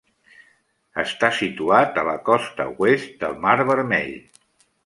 Està situat a la costa oest del Mar vermell.